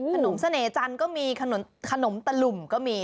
ขนมเสน่หจันทร์ก็มีขนมตะหลุมก็มี